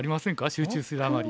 集中するあまり。